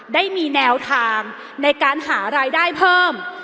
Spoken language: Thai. ได้มีแนวทางในการหารายได้เพิ่ม